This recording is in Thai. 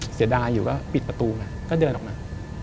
เสียดายอยู่ก็ปิดประตูไงก็เดินออกมา